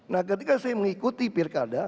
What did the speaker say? nah ketika saya mengikuti pilkada